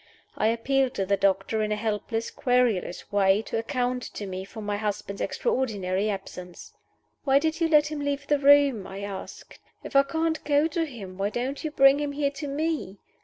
I appealed to the doctor, in a helpless, querulous way, to account to me for my husband's extraordinary absence. "Why did you let him leave the room?" I asked. "If I can't go to him, why don't you bring him here to me?"